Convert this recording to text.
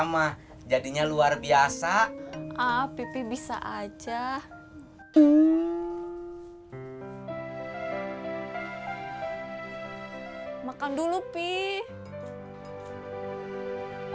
masak masak ya tapi kalau dikira kira itu yang biasa ya tapi kalau dibikinin sama orang tercinta